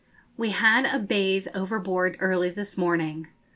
We had a bathe overboard early this morning.